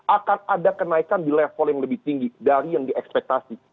akan ada kenaikan di level yang lebih tinggi dari yang diekspektasi